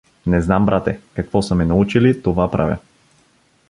— Не знам, брате, какво са ме научили, това правя.